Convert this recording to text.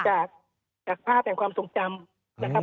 จากภาพการความทรงจำนะครับ